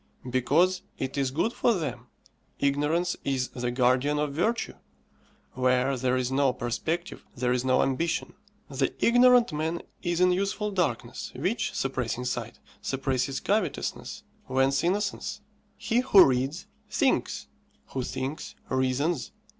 because it is good for them. Ignorance is the guardian of Virtue. Where there is no perspective there is no ambition. The ignorant man is in useful darkness, which, suppressing sight, suppresses covetousness: whence innocence. He who reads, thinks; who thinks, reasons.